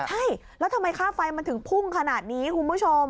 ใช่แล้วทำไมค่าไฟมันถึงพุ่งขนาดนี้คุณผู้ชม